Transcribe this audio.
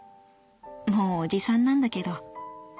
もうおじさんなんだけど。